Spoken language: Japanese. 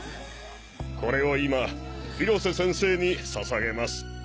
これを今広瀬先生にささげます。